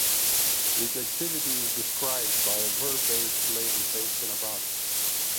Each activity is described by a verb-based label placed in a box.